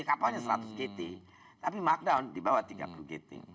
kapalnya seratus gt tapi markdown di bawah tiga puluh gt